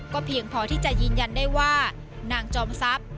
เพียงพอที่จะยืนยันได้ว่านางจอมทรัพย์